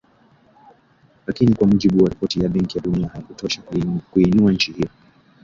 Lakini kwa mujibu wa ripoti ya Benki ya Dunia hayakutosha kuiinua nchi hiyo